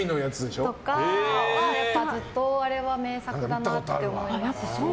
ずっとあれは名作だなって思います。